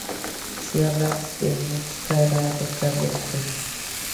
Si hablamos de una chica, era algo que había ocurrido.